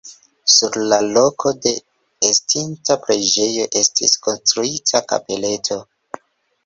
Sur la loko de estinta preĝejo estis konstruita kapeleto.